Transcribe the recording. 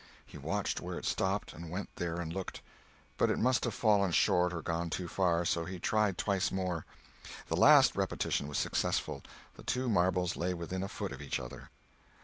He watched where it stopped, and went there and looked. But it must have fallen short or gone too far; so he tried twice more. The last repetition was successful. The two marbles lay within a foot of each other.